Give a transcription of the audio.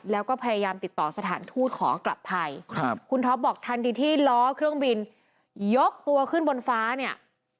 แล้วก็พยายามติดต่อสถานทูตขอกลับไทยครับคุณท็อปบอกทันทีที่ล้อเครื่องบินยกตัวขึ้นบนฟ้าเนี่ย